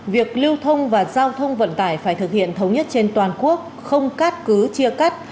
việc lưu thông và giao thông vận tải phải thực hiện thống nhất trên toàn quốc không cát cứ chia cắt